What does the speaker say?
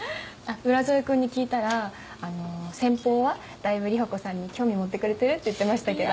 浦添君に聞いたら先方はだいぶ里穂子さんに興味持ってくれてるって言ってましたけど。